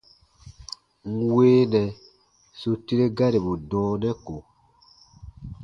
N weenɛ su tire garibu dɔɔnɛ ko.